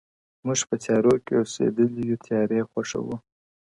موږ په تيارو كي اوسېدلي يو تيارې خوښـوو،